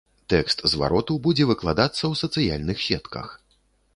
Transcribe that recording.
Тэкст звароту будзе выкладацца ў сацыяльных сетках.